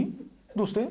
どうして？